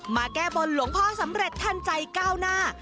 มาแก้บนหลวงพ่อสำเร็จทันใจก้าวหน้า